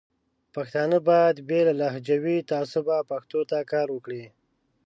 پښتانه باید بې له لهجوي تعصبه پښتو ته کار وکړي.